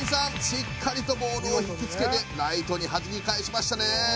しっかりとボールを引き付けてライトにはじき返しましたね